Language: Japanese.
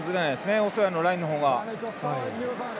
オーストラリアのラインの方が。